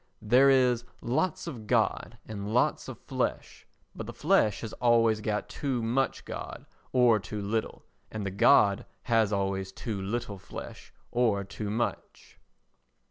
There is lots of God and lots of flesh, but the flesh has always got too much God or too little, and the God has always too little flesh or too much.